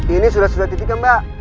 ini sudah sudah titik ya mbak